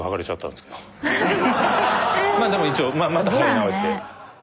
まあでも一応また貼り直して。